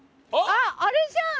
あっあれじゃん！